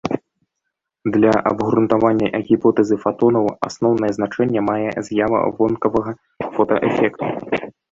Для абгрунтавання гіпотэзы фатонаў асноўнае значэнне мае з'ява вонкавага фотаэфекту.